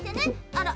あら？